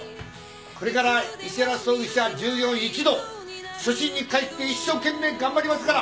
これから石原葬儀社従業員一同初心に帰って一生懸命頑張りますから。